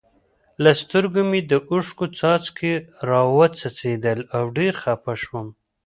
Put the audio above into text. له سترګو مې د اوښکو څاڅکي را و څڅېدل او ډېر خپه شوم.